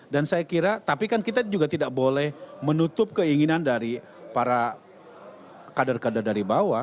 dan saya kira tapi kan kita juga tidak boleh menutup keinginan dari para kader kader dari bawah